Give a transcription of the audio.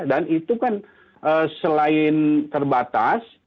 dan itu kan selain terbatas